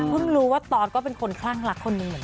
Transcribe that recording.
พึ่งรู้ว่าตอทก็เป็นคนท่อนรักคนนึง